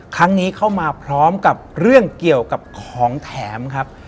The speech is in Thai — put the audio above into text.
ครั้งนี้เข้ามาพร้อมกับเรื่องเกี่ยวกับของแถมครับ